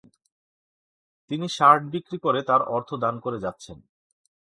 তিনি শার্ট বিক্রি করে তার অর্থ দান করে যাচ্ছেন।